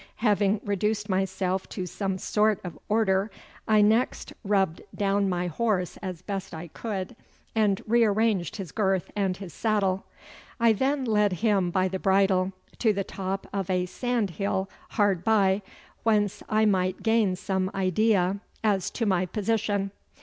Having reduced myself to some sort of order I next rubbed down my horse as best I could, and rearranged his girth and his saddle. I then led him by the bridle to the top of a sandhill hard by, whence I might gain some idea as to my position.